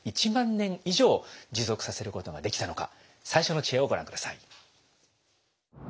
１万年以上持続させることができたのか最初の知恵をご覧下さい。